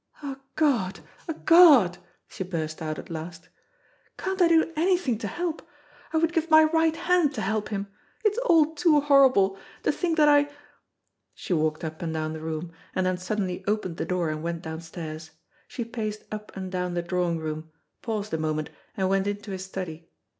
"Ah God, ah God!" she burst out at last. "Can't I do anything to help? I would give my right hand to help him. It is all too horrible. To think that I " She walked up and down the room, and then suddenly opened the door and went downstairs. She paced up and down the drawing room, paused a moment, and went into his study.